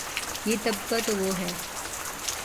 یہ طبقہ تو وہ ہے۔